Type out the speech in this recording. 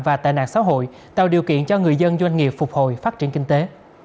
và tệ nạn xã hội tạo điều kiện cho người dân doanh nghiệp phục hồi phát triển kinh tế